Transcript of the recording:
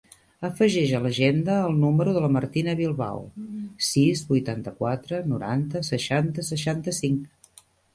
Afegeix a l'agenda el número de la Martina Bilbao: sis, vuitanta-quatre, noranta, seixanta, seixanta-cinc.